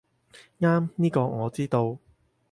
啱，呢個我知道